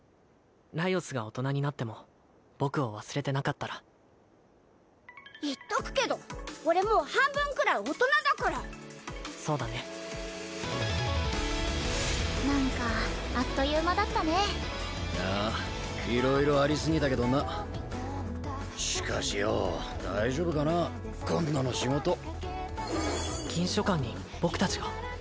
ライオスが大人になっても僕を忘れてなかったら言っとくけど俺もう半分くらい大人だからそうだね何かあっという間だったねああ色々ありすぎたけどなしかしよ大丈夫かな今度の仕事禁書館に僕達が？